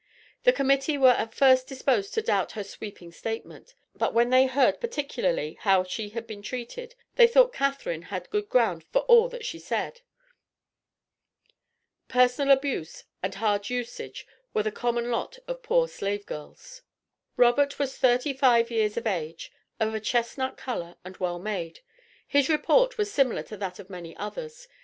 The Committee were at first disposed to doubt her sweeping statement, but when they heard particularly how she had been treated, they thought Catharine had good ground for all that she said. Personal abuse and hard usage, were the common lot of poor slave girls. Robert was thirty five years of age, of a chestnut color, and well made. His report was similar to that of many others.